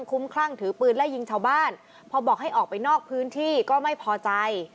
คุ้มคลั่งถือปืนไล่ยิงชาวบ้านพอบอกให้ออกไปนอกพื้นที่ก็ไม่พอใจ